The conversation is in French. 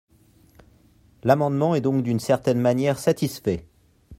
L’amendement est donc d’une certaine manière satisfait.